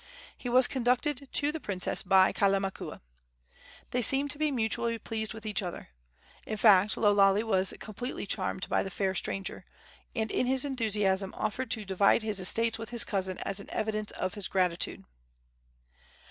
He was conducted to the princess by Kalamakua. They seemed to be mutually pleased with each other. In fact, Lo Lale was completely charmed by the fair stranger, and in his enthusiasm offered to divide his estates with his cousin as an evidence of his gratitude.